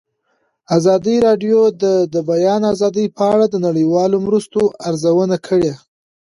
ازادي راډیو د د بیان آزادي په اړه د نړیوالو مرستو ارزونه کړې.